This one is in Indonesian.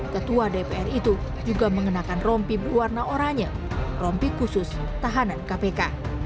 ketua dpr itu juga mengenakan rompi berwarna oranye rompi khusus tahanan kpk